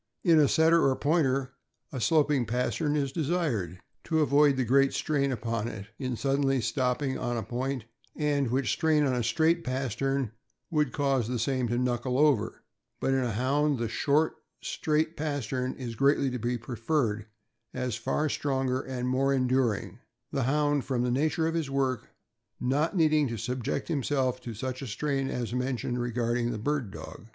In a Setter or Pointer a sloping pastern is desired, to avoid the great strain upon it in suddenly stopping on a point, and which strain on a straight pastern would cause the same to knuckle over; but in a Hound the short, straight pastern is greatly to be preferred, as far stronger and more enduring; the Hound, from the nature of his work, not needing to subject himself to such a strain as mentioned regarding the bird dog.